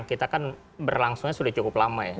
kita kan berlangsungnya sudah cukup lama ya